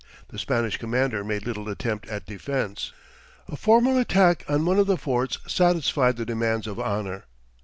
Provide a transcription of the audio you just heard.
The Spanish commander made little attempt at defense. A formal attack on one of the forts satisfied the demands of honour.